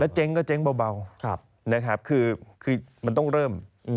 แล้วเจ๊งก็เจ๊งเบาเบาครับนะครับคือคือมันต้องเริ่มอืม